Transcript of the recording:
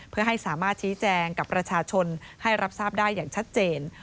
เพื่อให้สามารถชี้แจงกับประชาชนให้รับทราบได้อย่างชัดเจน